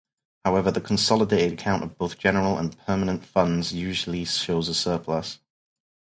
However, the consolidated account of both General and Permanent Funds usually shows a surplus.